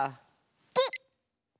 ピッ！